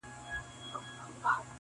• شور وو ګډ په وړو لویو حیوانانو -